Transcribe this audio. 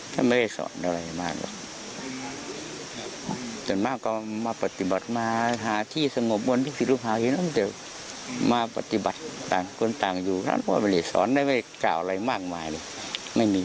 ฉันไม่ได้สอนอะไรมากว่าจนมากก็มาปฏิบัติมาหาที่สงบวนที่ศิษย์ลูกหาที่น้ำเจอมาปฏิบัติต่างคนต่างอยู่ฉันก็ไม่ได้สอนได้ไม่เก่าอะไรมากมายเลยไม่มี